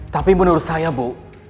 tapi menurut saya bu